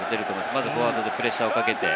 まずフォワードでプレッシャーをかけて。